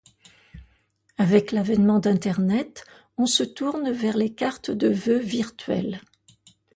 Avec l'avènement d'internet, on se tourne vers les cartes de vœux virtuelles.